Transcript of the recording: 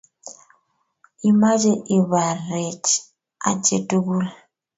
Imache ibaarech ache tugul?